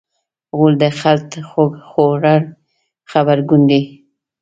غول د غلط خوړو غبرګون دی.